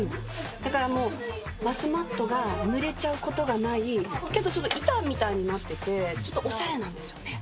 だからもうバスマットがぬれちゃうことがない、けど、ちょっと板みたいになってて、ちょっとおしゃれなんですよね。